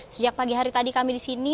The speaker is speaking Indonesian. sejak pagi hari tadi kami di sini